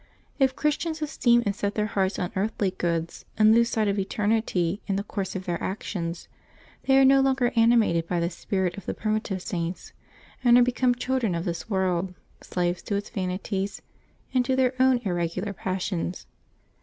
If Christians esteem and set their hearts on earthly goods, and lose sight of eternity in the course of their actions, they are no longer animated by the spirit of the primitive .Saints, and are become children of this world, slaves to its vanities, and to their own irregular passions.